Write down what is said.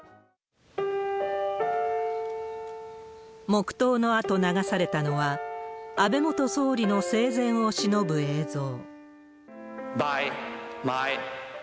黙とうのあと流されたのは、安倍元総理の生前をしのぶ映像。